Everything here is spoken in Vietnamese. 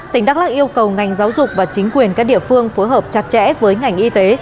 tỉnh đắk lắc yêu cầu ngành giáo dục và chính quyền các địa phương phối hợp chặt chẽ với ngành y tế